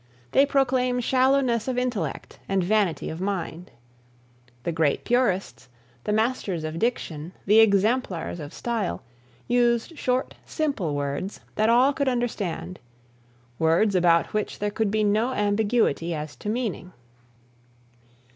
They proclaim shallowness of intellect and vanity of mind. The great purists, the masters of diction, the exemplars of style, used short, simple words that all could understand; words about which there could be no ambiguity as to meaning.